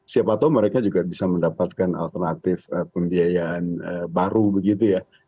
siapa tahu mereka juga bisa mendapatkan alternatif pembiayaan baru begitu ya